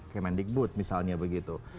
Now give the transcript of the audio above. kemendikbud misalnya begitu